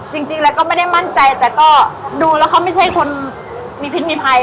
จริงแล้วก็ไม่ได้มั่นใจแต่ก็ดูแล้วเขาไม่ใช่คนมีพิษมีภัย